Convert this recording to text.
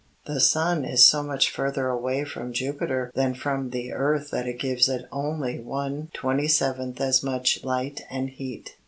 "The sun is so much further away from Jupiter than from the earth that it gives it only one twenty seventh as much light and heat.